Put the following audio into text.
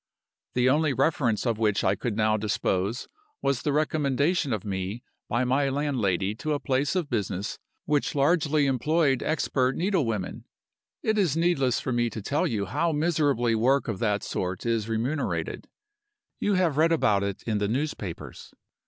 The only reference of which I could now dispose was the recommendation of me by my landlady to a place of business which largely employed expert needle women. It is needless for me to tell you how miserably work of that sort is remunerated: you have read about it in the newspapers.